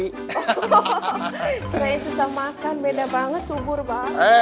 oh kira kira susah makan beda banget subur banget